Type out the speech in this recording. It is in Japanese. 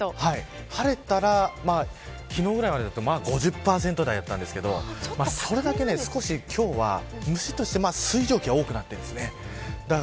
晴れたら昨日ぐらいまでだと５０％台だったんですけどそれだけ少し今日はむしっとして水蒸気が多くなっているんです。